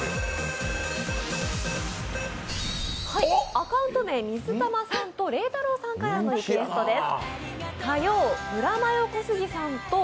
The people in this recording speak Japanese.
アカウント名、みずたまさんとれいたろうさんからのリクエストです。